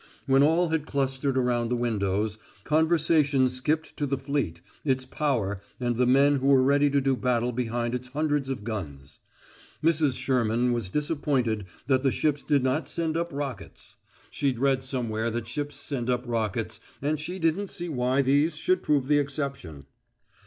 When all had clustered around the windows, conversation skipped to the fleet, its power, and the men who were ready to do battle behind its hundreds of guns. Mrs. Sherman was disappointed that the ships did not send up rockets. She'd read somewhere that ships sent up rockets, and she didn't see why these should prove the exception.